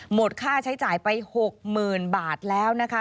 หมดค่าใช้จ่ายไป๖๐๐๐บาทแล้วนะคะ